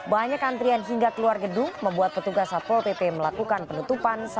banyak antrian hingga keluar gedung membuat petugas satpol pp melakukan penutupan